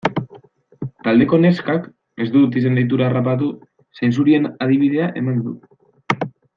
Taldeko neskak, ez dut izen-deitura harrapatu, zainzurien adibidea eman du.